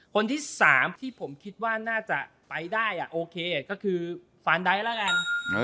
คนที่สามที่ผมคิดว่าน่าจะไปได้อ่ะโอเคก็คือฟานดายล่ะกัน